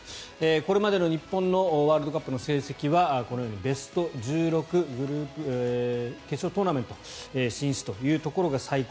これまでの日本のワールドカップの成績はこのようにベスト１６決勝トーナメント進出というところが最高。